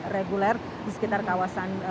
reguler di sekitar kawasan